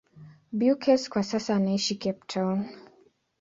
Beukes kwa sasa anaishi Cape Town.